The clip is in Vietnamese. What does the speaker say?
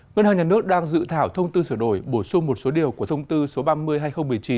ngân hàng nhà nước đang dự thảo thông tư sửa đổi bổ sung một số điều của thông tư số ba mươi hai nghìn một mươi chín